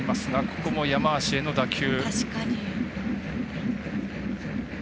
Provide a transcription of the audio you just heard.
ここも山足への打球。